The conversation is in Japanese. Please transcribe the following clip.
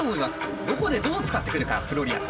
どこでどう使ってくるかフローリアーズ。